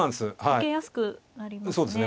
受けやすくなりますね。